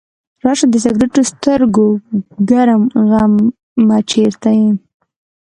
راشه د سکروټو سترګو ګرم غمه چرته یې؟